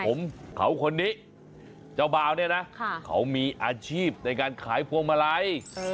ผมเขาคนนี้เจ้าบ่าวเนี่ยนะเขามีอาชีพในการขายพวงมาลัย